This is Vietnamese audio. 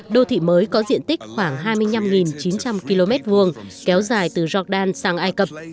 đô thị mới có diện tích khoảng hai mươi năm chín trăm linh km hai kéo dài từ jordan sang ai cập